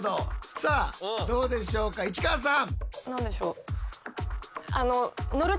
さあどうでしょうか市川さん！